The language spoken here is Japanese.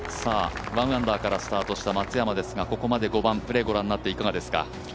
１アンダーからスタートした松山ですがここまで５番、プレーご覧になっていかがですか。